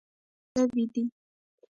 ولي په ده څه سوي دي؟